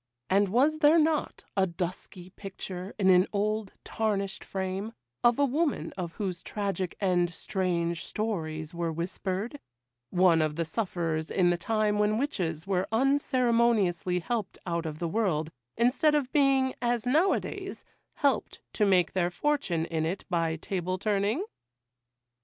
and was there not a dusky picture, in an old tarnished frame, of a woman of whose tragic end strange stories were whispered,—one of the sufferers in the time when witches were unceremoniously helped out of the world, instead of being, as now a days, helped to make their fortune in it by table turning?